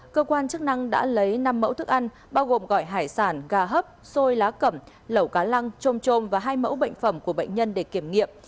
cơ quan chức năng đã lấy năm mẫu thức ăn bao gồm gọi hải sản gà hấp xôi lá cẩm lẩu cá lăng trôm trôm và hai mẫu bệnh phẩm của bệnh nhân để kiểm nghiệm